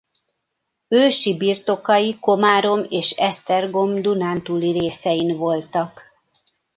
Ősi birtokai Komárom és Esztergom Dunántúli részein voltak.